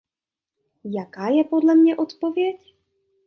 Jaká je podle mě odpověď?